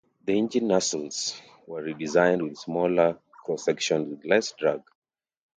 The engine nacelles were redesigned with smaller cross-sections with less drag.